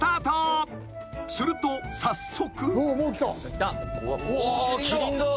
［すると早速］